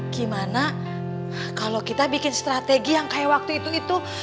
gimana kalau kita bikin strategi yang kayak waktu itu itu